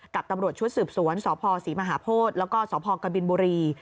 กับตำรวจชุดสืบสวนสพศรีมหาโพธิแล้วก็สพกบินบุรี